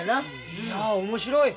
いや面白い。